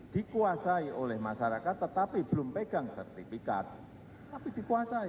dikuasai oleh masyarakat tetapi belum pegang sertifikat tapi dikuasai